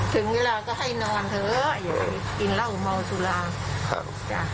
ถึงเวลาก็ให้นอนเถอะอย่าไปกินเหล้าเมาสุราครับจ้ะ